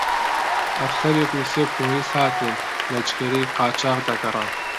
ئەفسەرێک و سێ پۆلیس هاتن لە جگەرەی قاچاغ دەگەڕان